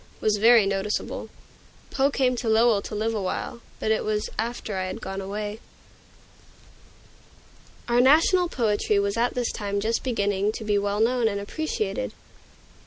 was very noticeable. Poe came to Lowell to live awhile, but it was after I had gone away. Our national poetry was at this time just beginning to be well known and appreciated.